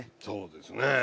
そうですね。